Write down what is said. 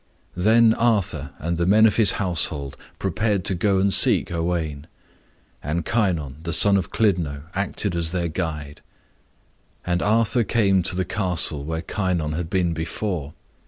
Then Arthur and the men of his household prepared to go and seek Owain. And Kynon, the son of Clydno, acted as their guide. And Arthur came to the castle where Kynon had been before.